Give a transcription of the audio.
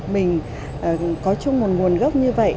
mình có chung một nguồn gốc như vậy